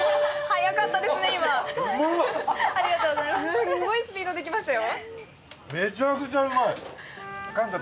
すんごいスピードできましたよ。